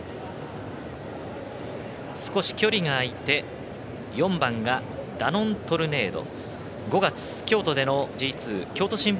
少し距離が空いて４番がダノントルネード。